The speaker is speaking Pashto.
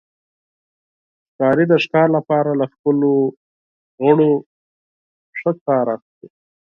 ښکاري د ښکار لپاره له خپلو غړو ښه کار اخلي.